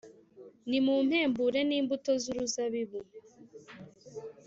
Nimumpembure n’imbuto z’uruzabibu